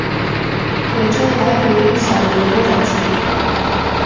火车来回不晓得多少钱